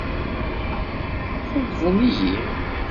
Xeyyben-iyi.